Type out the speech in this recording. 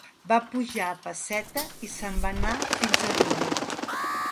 Va pujar a pesseta i se'n va anar fins a duro.